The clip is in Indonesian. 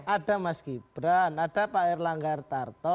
ada mas gibran ada pak erlangga ertarto ada pak erick thohir